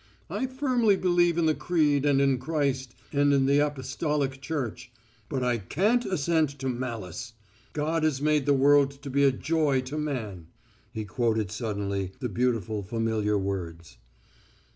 I firmly believe in the Creed and in Christ, and in the Apostolic Church. But I can't assent to malice. 'God has made the world to be a joy to man,'" he quoted suddenly the beautiful, familiar words.